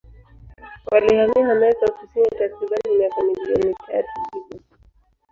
Walihamia Amerika Kusini takribani miaka milioni tatu iliyopita.